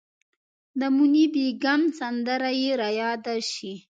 د موني بیګم سندره یې ریاده شي.